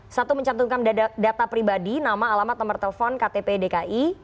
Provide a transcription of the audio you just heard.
satu mencantumkan data pribadi nama alamat nomor telepon ktp dki